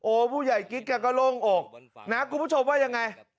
โอ้ผู้ใหญ่กิ๊กแกก็โล่งอกนะครับกลุ่มผู้ชมว่ายังไง